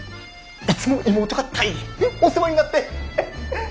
いつも妹が大変お世話になって。